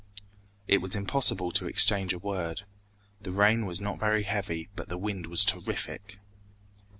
It was impossible to exchange a word. The rain was not very heavy, but the wind was terrific.